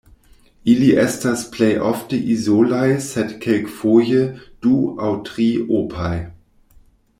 Ili estas plejofte izolaj sed kelkfoje du aŭ tri–opaj.